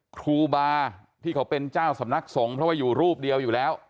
ครูบาที่เขาเป็นเจ้าสำนักสงฆ์เพราะว่าอยู่รูปเดียวอยู่แล้ว